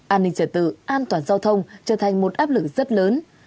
an ninh trả tự an toàn giao thông trở thành một áp lực rất lớn